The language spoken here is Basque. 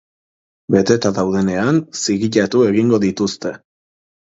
Beteta daudenean, zigilatu egingo dituzte.